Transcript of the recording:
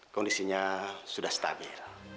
kondisinya sudah stabil